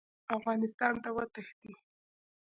افغانستان ته وتښتي.